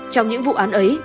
trong những vụ án ấy